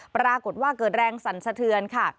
ปรากฏว่าเกิดแรงสั่นสะเทือนค่ะ